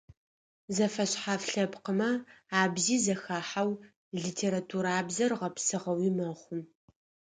Зэфэшъхьаф лъэпкъымэ абзи зэхахьау литературабзэр гъэпсыгъэуи мэхъу.